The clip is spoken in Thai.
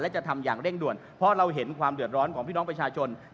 และจะทำอย่างเร่งด่วนเพราะเราเห็นความเดือดร้อนของพี่น้องประชาชน